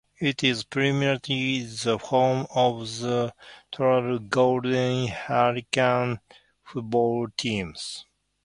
It is primarily the home of the Tulsa Golden Hurricane football team.